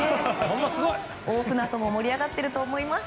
大船渡も盛り上がってると思います。